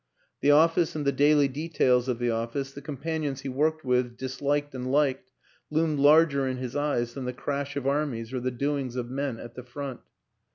The office and the daily details of the office, the companions he worked with, disliked and liked, loomed larger in his eyes than the crash of armies or the doings of men at the front.